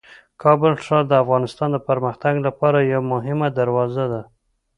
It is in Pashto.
کابل ښار د افغانستان د پرمختګ لپاره یوه مهمه دروازه ده.